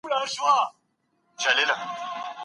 زه به اوږده موده د نوټونو بشپړونه کړي وم.